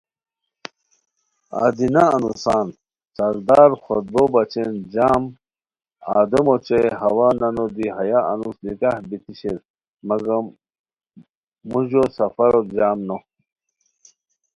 ادینہ: انوسان سردار خطبو بچین جم آدمو اوچے حوا نانو دی ہیہ انوس نکاح بیتی شیر مگم موڑو سفروت جم نو